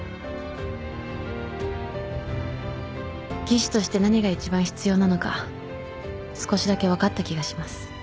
技師として何が一番必要なのか少しだけ分かった気がします。